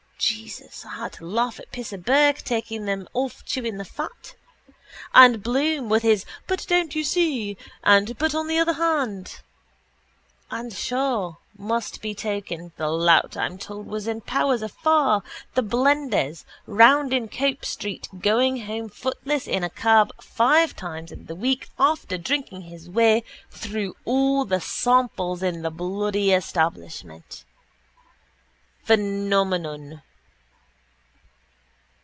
Jesus, I had to laugh at pisser Burke taking them off chewing the fat. And Bloom with his but don't you see? and but on the other hand. And sure, more be token, the lout I'm told was in Power's after, the blender's, round in Cope street going home footless in a cab five times in the week after drinking his way through all the samples in the bloody establishment. Phenomenon!